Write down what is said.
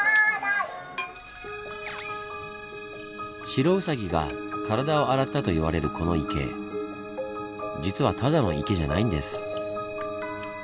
シロウサギが体を洗ったと言われるこの池実はただの池じゃないんです。